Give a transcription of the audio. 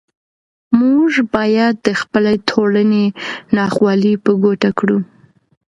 موږ باید د خپلې ټولنې ناخوالې په ګوته کړو.